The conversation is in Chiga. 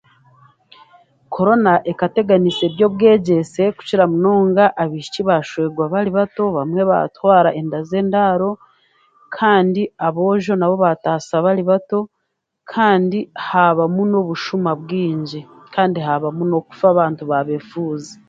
Korona ekateganiisa ebyobwegyese kukira munonga abaishiki bashwerwa bari bato abamwe batwara enda z'endaaaro kandi aboojo nabo baataasa bari bato kandi haabamu nobushuma bwingi kandi haabamu nokufa abantu baaba efuuzi